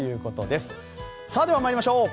では、参りましょう。